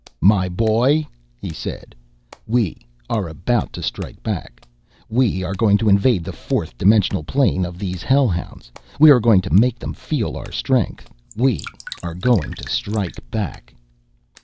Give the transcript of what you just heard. "My boy," he said, "we are to strike back. We are going to invade the fourth dimensional plane of these hellhounds. We are going to make them feel our strength. We are going to strike back."